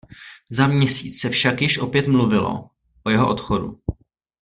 Za měsíc se však již opět mluvilo o jeho odchodu.